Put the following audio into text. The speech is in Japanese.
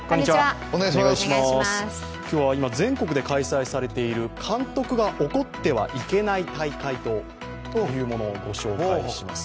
今日は今、全国で開催されている監督が怒ってはいけない大会というものをご紹介します。